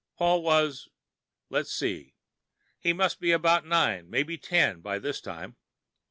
Paul was let's see, he must be about nine, maybe ten, by this time.